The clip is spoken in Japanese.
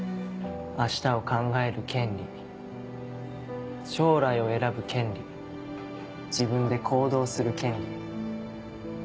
明日を考える権利将来を選ぶ権利自分で行動する権利。